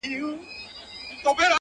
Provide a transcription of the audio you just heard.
ساقي خراب تراب مي کړه نڅېږم به زه’